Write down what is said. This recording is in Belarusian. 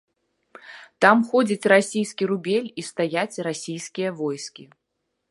Там ходзіць расійскі рубель і стаяць расійскія войскі.